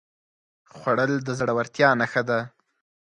خوړل د زړورتیا نښه ده